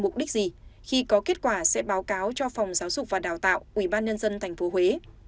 thì có kết quả sẽ báo cáo cho phòng giáo dục và đào tạo ubnd tp huế